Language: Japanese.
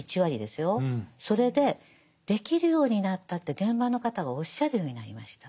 それでできるようになったって現場の方がおっしゃるようになりました。